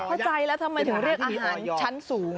เข้าใจแล้วทำไมถึงเรียกอาหารชั้นสูง